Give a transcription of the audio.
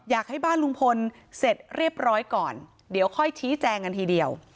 อยากให้บ้านลุงพลเสร็จเรียบร้อยก่อนเดี๋ยวค่อยชี้แจงกันทีเดียว